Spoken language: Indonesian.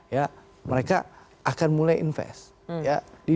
ya mereka akan mulai investasi